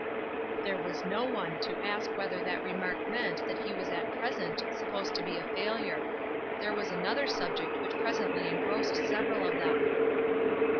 There was no one to ask whether that remark meant that he was at present supposed to be a failure. There was another subject which presently engrossed several of them.